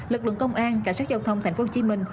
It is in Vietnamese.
lực lượng công an cảnh sát giao thông thành phố hồ chí minh